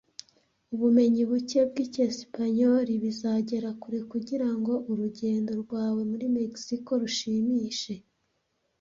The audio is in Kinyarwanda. Ubumenyi buke bw'Icyesipanyoli bizagera kure kugira ngo urugendo rwawe muri Mexico rushimishe.